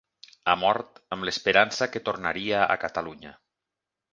Ha mort amb l'esperança que tornaria a Catalunya.